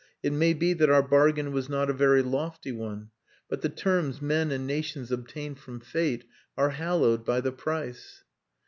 "It may be that our bargain was not a very lofty one. But the terms men and nations obtain from Fate are hallowed by the price."